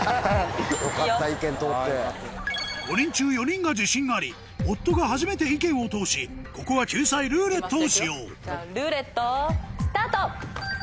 ５人中４人が自信あり夫が初めて意見を通しここは救済「ルーレット」を使用じゃあルーレットスタート！